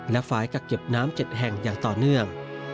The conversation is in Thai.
และฝ่ายกักเก็บน้ำ๗แห่งอย่างต่อเนื่อง